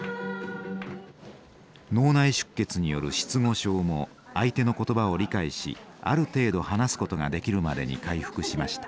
脳内出血による失語症も相手の言葉を理解しある程度話すことができるまでに回復しました。